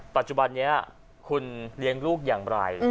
ปัจจุบันนี้คุณเลี้ยงลูกอย่างไร